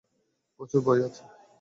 প্রচুর বই আছে।